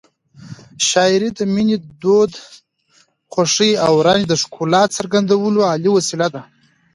شاعري د مینې، درد، خوښۍ او رنج د ښکلا څرګندولو عالي وسیله ده.